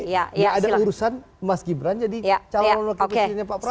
jadi nggak ada urusan mas gibran jadi calon rekan presidennya pak prabowo